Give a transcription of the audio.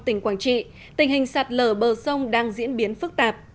tỉnh quảng trị tình hình sạt lở bờ sông đang diễn biến phức tạp